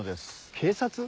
警察？